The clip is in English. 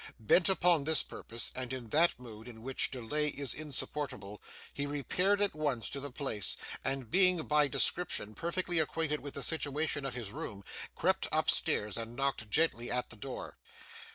Bent upon this purpose, and in that mood in which delay is insupportable, he repaired at once to the place; and being, by description, perfectly acquainted with the situation of his room, crept upstairs and knocked gently at the door.